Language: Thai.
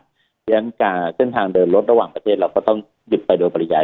เพราะฉะนั้นเส้นทางเดินรถระหว่างประเทศเราก็ต้องหยุดไปโดยปริญญา